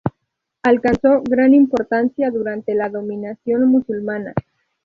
Alcanzó gran importancia durante la dominación musulmana.